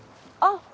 あ！